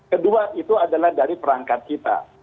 kedua itu adalah dari perangkat kita